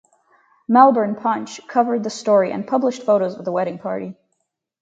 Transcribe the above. Melbourne Punch covered the story and published photos of the wedding party.